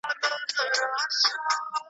نه یوازي د جیولوجي یو لایق انجنیر وو .